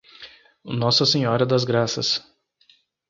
Nossa Senhora das Graças